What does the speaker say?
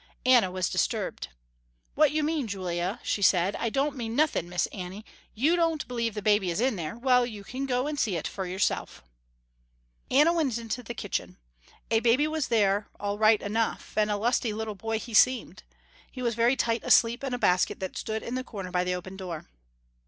Anna was disturbed. "What you mean Julia," she said. "I don't mean nothin' Miss Annie, you don't believe the baby is in there, well you can go and see it for yourself." Anna went into the kitchen. A baby was there all right enough, and a lusty little boy he seemed. He was very tight asleep in a basket that stood in the corner by the open door.